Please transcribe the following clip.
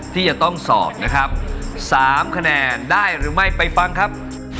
ที่จะต้องสอบนะครับ๓คะแนนได้หรือไม่ไปฟังครับ